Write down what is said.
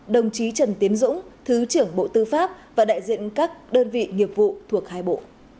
đồng chí trần tiến dũng thứ trưởng bộ tư pháp và đại diện các đơn vị nghiệp vụ thuộc hai bộ